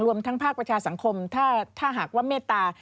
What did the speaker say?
รวมทั้งภาคประชาสังคมถ้าหากว่าเมตตา